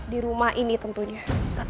di rumah ini tentunya